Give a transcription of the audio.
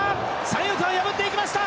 三遊間を破っていきました！